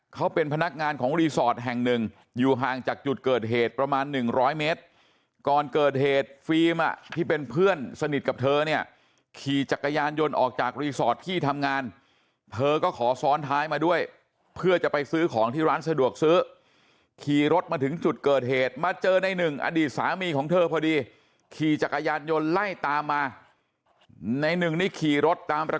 เขาเป็นพนักงานของรีสอร์ทแห่งหนึ่งอยู่ห่างจากจุดเกิดเหตุประมาณหนึ่งร้อยเมตรก่อนเกิดเหตุฟิล์มอ่ะที่เป็นเพื่อนสนิทกับเธอเนี่ยขี่จักรยานยนต์ออกจากรีสอร์ทที่ทำงานเธอก็ขอซ้อนท้ายมาด้วยเพื่อจะไปซื้อของที่ร้านสะดวกซื้อขี่รถมาถึงจุดเกิดเหตุมาเจอในหนึ่งอดีตสามีของเธอพอดีขี่จักรยานยนต์ไล่ตามมาในหนึ่งนี่ขี่รถตามประ